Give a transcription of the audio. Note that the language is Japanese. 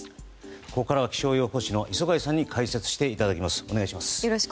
ここからは気象予報士の磯貝さんに解説していただきます。